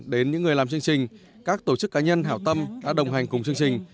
đến những người làm chương trình các tổ chức cá nhân hảo tâm đã đồng hành cùng chương trình